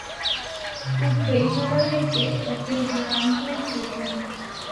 upéicharõjepe, ohejánte upépe.